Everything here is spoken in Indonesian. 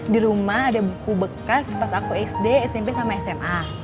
di rumah ada buku bekas pas aku sd smp sama sma